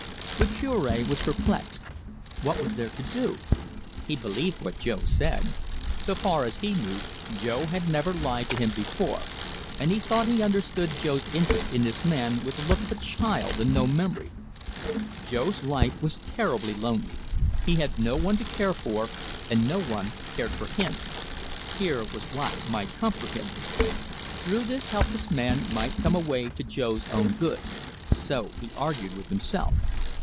The Cure was perplexed. What was there to do? He believed what Jo said. So far as he knew, Jo had never lied to him before, and he thought he understood Jo's interest in this man with the look of a child and no memory: Jo's life was terribly lonely; he had no one to care for, and no one cared for him; here was what might comfort him! Through this helpless man might come a way to Jo's own good. So he argued with himself.